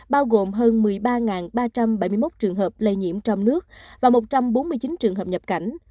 bao gồm hơn một mươi ba ba trăm bảy mươi một trường hợp lây nhiễm trong nước và một trăm bốn mươi chín trường hợp nhập cảnh